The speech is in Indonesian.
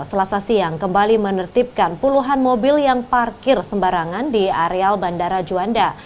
selasa siang kembali menertibkan puluhan mobil yang parkir sembarangan di areal bandara juanda